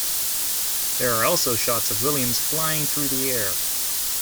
There are also shots of Williams flying through the air.